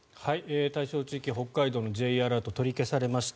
対象地域、北海道のＪアラート取り消されました。